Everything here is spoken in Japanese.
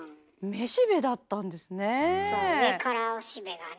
めしべだったんですね。